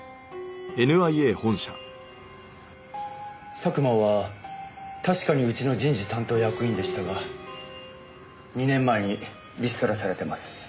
佐久間は確かにうちの人事担当役員でしたが２年前にリストラされてます。